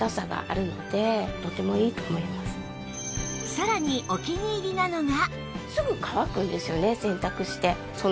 さらにお気に入りなのが